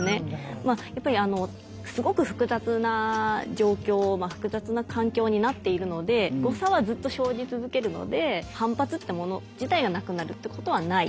まあやっぱりすごく複雑な状況複雑な環境になっているので誤差はずっと生じ続けるので反発ってもの自体がなくなるってことはない。